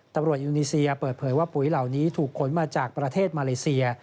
อินโดนีเซียเปิดเผยว่าปุ๋ยเหล่านี้ถูกขนมาจากประเทศมาเลเซีย